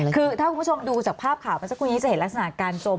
คือถ้าคุณผู้ชมดูจากภาพข่าวมาสักครู่นี้จะเห็นลักษณะการจม